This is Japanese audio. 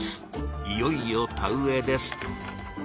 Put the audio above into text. いよいよ田植えです。